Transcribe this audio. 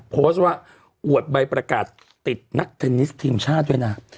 โพสต์ว่าอวดใบประกาศติดนักเทนนิสทีมชาติด้วยนะ